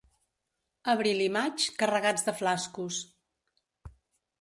Abril i maig, carregats de flascos.